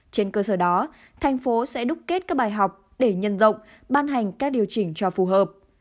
trên cơ sở đó thành phố sẽ đúc kết các bài học để nhân rộng ban hành các điều chỉnh cho phù hợp